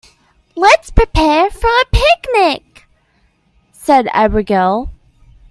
"Let's prepare for the picnic!", said Abigail.